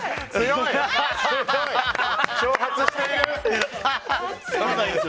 挑発している！